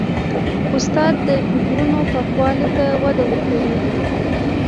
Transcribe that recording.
استاد د فکرونو پاکوالي ته وده ورکوي.